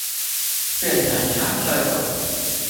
變成彩色版